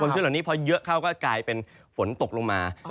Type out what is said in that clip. ชื้นเหล่านี้พอเยอะเข้าก็กลายเป็นฝนตกลงมา